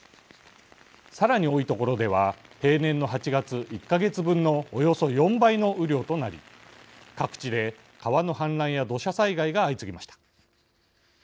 さらに、多い所では平年の８月、１か月分のおよそ４倍の雨量となり各地で川の氾濫や土砂災害が相次ぎました。